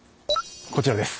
こちらです。